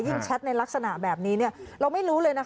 ยิ่งแชทในลักษณะแบบนี้เนี่ย